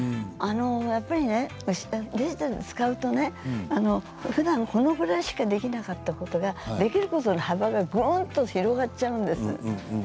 やっぱりね、デジタルを使うとねふだん、このぐらいしかできなかったことができることの幅がぐんと広がっちゃうんです。